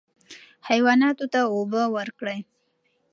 حیواناتو ته اوبه ورکړئ.